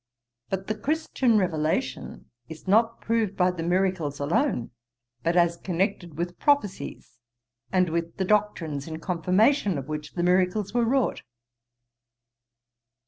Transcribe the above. But the Christian revelation is not proved by the miracles alone, but as connected with prophecies, and with the doctrines in confirmation of which the miracles were wrought.'